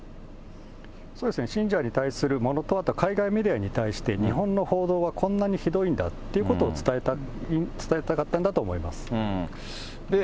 そうですね、信者に対するものと、あとは海外メディアに対して日本の報道はこんなにひどいんだということを、伝えたかったんだと思います。